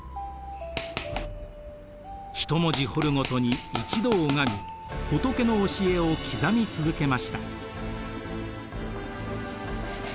１文字彫るごとに一度拝み仏の教えを刻み続けました。